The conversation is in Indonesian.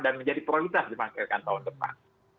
dan menjadi prioritas di pengakhirkan tahun depan